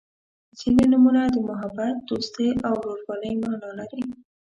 • ځینې نومونه د محبت، دوستۍ او ورورولۍ معنا لري.